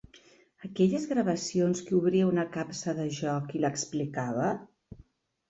Aquelles gravacions que obria una capsa de joc i l'explicava?